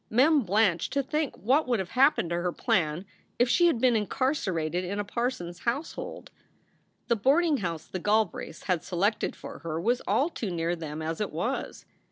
Mem blanched to think what would have happened to her plan if she had been incar cerated in a parson s household. The boarding house the Galbraiths had selected for her was all too near them, as it was.